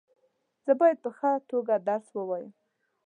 زه باید په ښه توګه درس وایم.